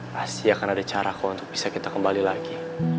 pasti akan ada cara kok untuk bisa kita kembali lagi